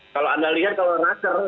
kalau anda lihat kalau naker